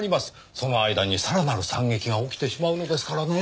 その間にさらなる惨劇が起きてしまうのですからねぇ。